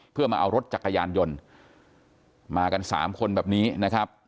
เพื่อมาเอารถจักรยานยนต์มากันสามคนแบบนี้นะครับ